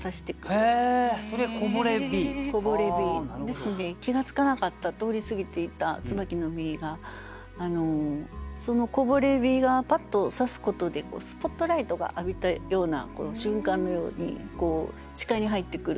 ですので気が付かなかった通り過ぎていった椿の実がそのこぼれ日がパッと射すことでスポットライトが浴びたような瞬間のように視界に入ってくる。